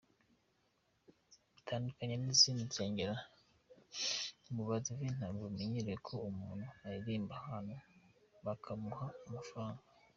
Bitandukanye n’izindi nsengero, mu badive ntabwo bimenyerewe ko umuntu aririmba abantu bakamuha amafaranga.